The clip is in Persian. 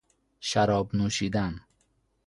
شراب نوشیدن